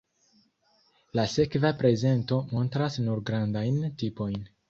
La sekva prezento montras nur grandajn tipojn.